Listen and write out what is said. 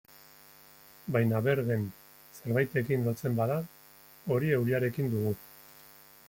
Baina Bergen zerbaitekin lotzen bada, hori euriarekin dugu.